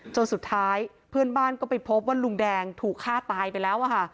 จนสุดท้ายเพื่อนบ้านก็ไปพบว่าลุงแดงถูกฆ่าตายไปแล้ว